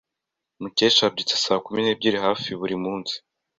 Mukesha yabyutse saa kumi n'ebyiri hafi buri munsi.